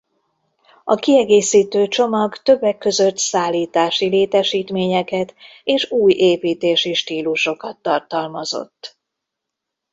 A kiegészítő csomag többek között szállítási létesítményeket és új építési stílusokat tartalmazott.